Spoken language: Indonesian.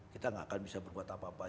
kita gak akan bisa berbuat apa apa